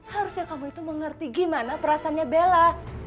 harusnya kamu itu mengerti gimana perasaannya bella